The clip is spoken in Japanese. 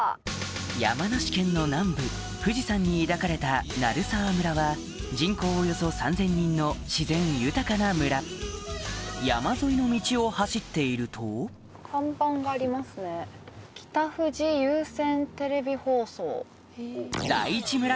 山梨県の南部富士山に抱かれた鳴沢村は人口およそ３０００人の自然豊かな村山沿いの道を走っていると「北富士有線テレビ放送」。